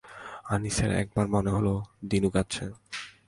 আনিসের এক বার মনে হলো, দিনু কাঁদছে।